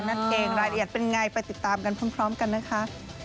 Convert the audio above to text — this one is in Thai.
นั่นเองรายละเอียดเป็นไงไปติดตามกันพร้อมกันนะคะ